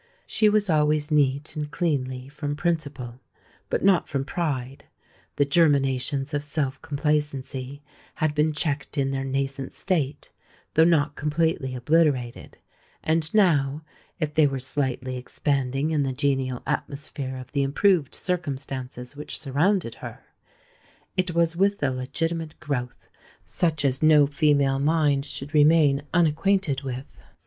She was always neat and cleanly from principle, but not from pride. The germinations of self complacency had been checked in their nascent state, though not completely obliterated; and now, if they were slightly expanding in the genial atmosphere of the improved circumstances which surrounded her, it was with a legitimate growth, such as no female mind should remain unacquainted with.